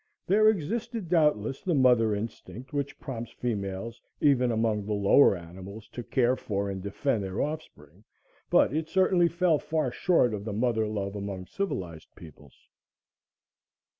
There existed, doubtless, the mother instinct which prompts females, even among the lower animals, to care for and defend their offspring, but it certainly fell far short of the mother love among civilized peoples.